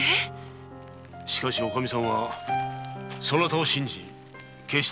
しかしおカミさんはそなたを信じ決して恨んではいない。